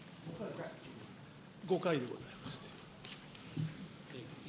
５回でございます。